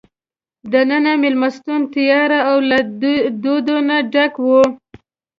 دننه مېلمستون تیاره او له دود نه ډک وو.